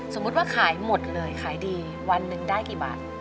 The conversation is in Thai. สมมุติว่าขายหมดเลยขายดีวันหนึ่งได้กี่บาท